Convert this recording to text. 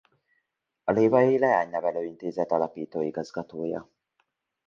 A lévai leánynevelő intézet alapító igazgatója.